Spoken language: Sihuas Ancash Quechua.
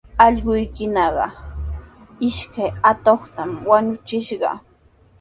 Allquukunaqa ishkay atuqtami wañuchishqa.